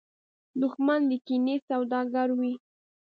دښمن د کینې سوداګر وي